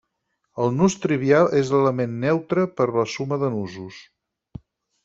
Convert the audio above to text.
El nus trivial és l'element neutre per la suma de nusos.